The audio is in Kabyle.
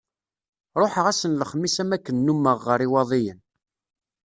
Ruḥeɣ ass n lexmis am wakken nummeɣ ɣer Iwaḍiyen.